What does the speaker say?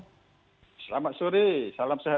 selamat sore salam sehat